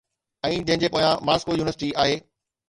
۽ جنهن جي پويان ماسڪو يونيورسٽي آهي.